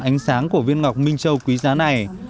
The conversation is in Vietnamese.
ánh sáng của viên ngọc minh châu quý giá này